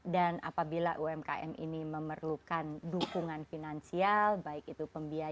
dan apabila umkm ini memerlukan dukungan finansial baik itu pembiayaan